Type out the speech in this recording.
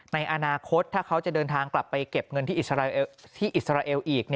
ในอนาคตถ้าเขาจะเดินทางกลับไปเก็บเงินที่อิสราเอลอีก